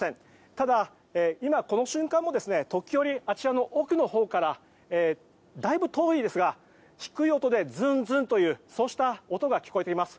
ただ、今この瞬間も時折、奥のほうからだいぶ遠いですが低い音でズンズンというそうした音が聞こえてきます。